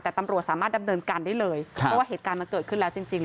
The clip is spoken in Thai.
แต่ตำรวจสามารถดำเนินการได้เลยเพราะว่าเหตุการณ์มันเกิดขึ้นแล้วจริงจริง